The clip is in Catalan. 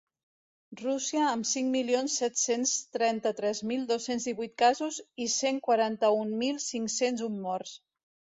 Rússia, amb cinc milions set-cents trenta-tres mil dos-cents divuit casos i cent quaranta-un mil cinc-cents un morts.